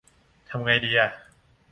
ทำไงดีอ่ะ ?